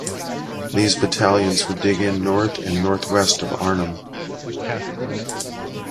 These battalions would dig in north and north-west of Arnhem.